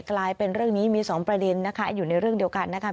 กลายเป็นเรื่องนี้มีสองประเด็นนะคะอยู่ในเรื่องเดียวกันนะคะ